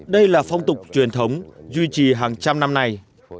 đây là phong tục truyền thống duy trì hàng trăm năm nay